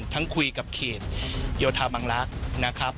ทั้งคุยกับเขตโยธามังลักษณ์นะครับ